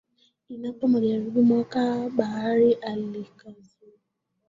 inapo magharibi mwa bahari alkazau